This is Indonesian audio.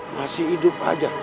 masih hidup aja